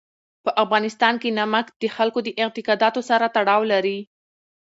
په افغانستان کې نمک د خلکو د اعتقاداتو سره تړاو لري.